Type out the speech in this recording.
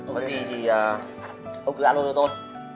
có gì thì ông cứ alo cho tôi